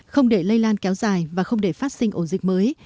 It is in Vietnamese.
không để lây lan kéo dài và không để phát sinh ổ dịch mới